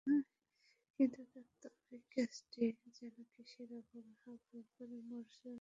কিন্তু তাঁর ট্রফি-কেসটি যেন কিসের অভাবে হাহাকার করে মরছে অনেক দিন ধরেই।